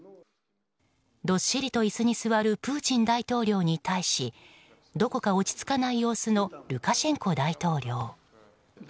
どっしりと椅子に座るプーチン大統領に対しどこか落ち着かない様子のルカシェンコ大統領。